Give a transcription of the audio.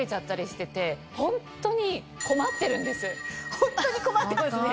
ホントに困ってますね。